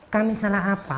kami salah apa